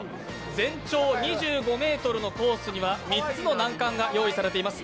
全長２５ｍのコースには３つの難関が用意されています。